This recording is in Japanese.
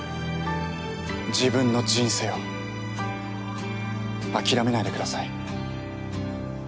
自分の人生を諦めないでください。